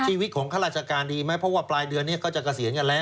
ชีวิตของข้าราชการดีไหมเพราะว่าปลายเดือนนี้ก็จะเกษียณกันแล้ว